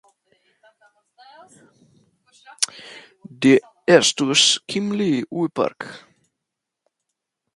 De estos, "Kim", "Lee", y "Park" son los más comunes.